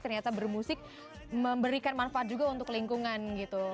ternyata bermusik memberikan manfaat juga untuk lingkungan gitu